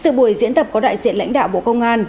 sự buổi diễn tập có đại diện lãnh đạo bộ công an